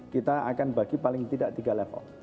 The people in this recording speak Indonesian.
kita akan bagi paling tidak tiga level